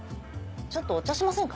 ちょっとお茶しませんか？